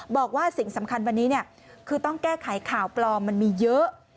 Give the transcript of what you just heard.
บอกว่าสิ่งสำคัญวันนี้คือต้องแก้ไขข่าวปลอมมันมีเยอะ